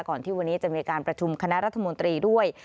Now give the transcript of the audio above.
ที่วันนี้จะมีการประชุมคณะรัฐมนตรีด้วย